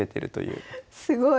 すごい。